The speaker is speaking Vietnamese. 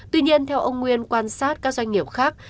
tuy nhiên theo ông nguyên quan sát các doanh nghiệp khác